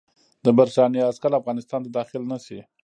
د برټانیې عسکر افغانستان ته داخل نه شي.